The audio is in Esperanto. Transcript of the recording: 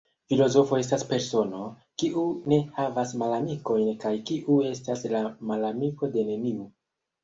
Filozofo estas persono, kiu ne havas malamikojn kaj kiu estas la malamiko de neniu.